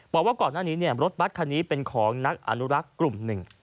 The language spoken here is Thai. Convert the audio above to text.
บอกว่าก่อนหน้านี้รถบัตรคันนี้เป็นของนักอนุรักษ์กลุ่มหนึ่ง